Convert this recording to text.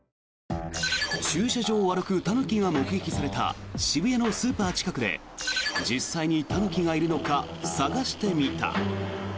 駐車場を歩くタヌキが目撃された渋谷のスーパー近くで実際にタヌキがいるのか探してみた。